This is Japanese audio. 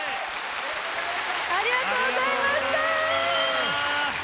ありがとうございます！